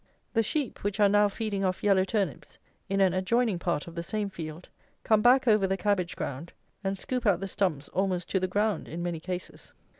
The sheep, which are now feeding off yellow turnips in an adjoining part of the same field, come back over the cabbage ground and scoop out the stumps almost to the ground in many cases.